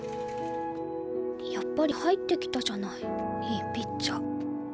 やっぱり入ってきたじゃないいいピッチャー。